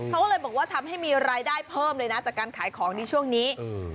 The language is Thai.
เขาก็เลยบอกว่าทำให้มีรายได้เพิ่มเลยนะจากการขายของในช่วงนี้อืม